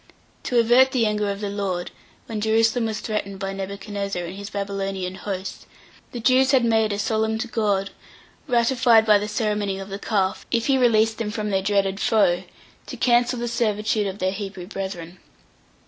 To avert the anger of the Lord, when Jerusalem was threatened by Nebuchadnezzar and his Babylonian host, the Jews had made a solemn to God, ratified by the ceremony of the calf, if He released them from their dreaded foe, to cancel the servitude of their Hebrew brethren.